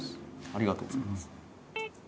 ありがとうございます。